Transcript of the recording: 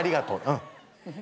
うん。